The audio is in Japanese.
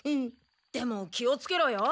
でも気をつけろよ。